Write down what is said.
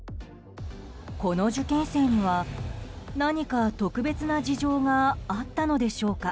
この受験生には何か特別な事情があったのでしょうか。